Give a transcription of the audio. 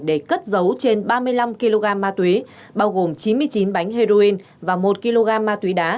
để cất dấu trên ba mươi năm kg ma túy bao gồm chín mươi chín bánh heroin và một kg ma túy đá